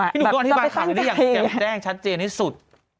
พี่หนุ่มก่อนที่บ้านขาดอันนี้อย่างแก้วแจ้งชัดเจนที่สุด